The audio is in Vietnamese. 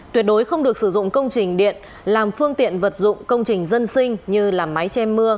tuyệt đối không được sử dụng công trình điện làm phương tiện vật dụng công trình dân sinh như làm máy che mưa